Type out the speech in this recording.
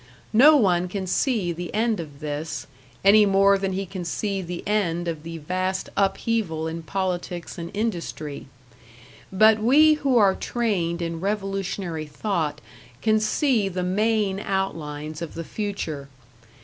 No one can see the end of this any more than he can see the end of the vast upheaval in politics and industry. But we who are trained in revolutionary thought can see the main outlines of the future.